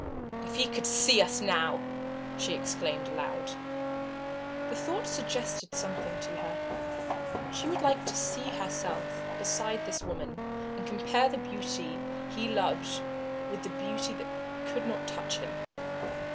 "If he could see us now!" she exclaimed aloud. The thought suggested something to her. She would like to see herself beside this other woman and compare the beauty he loved with the beauty that could not touch him.